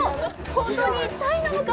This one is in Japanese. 本当に鯛なのか！？